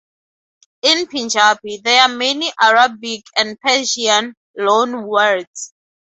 In Punjabi, there are many Arabic and Persian loanwords.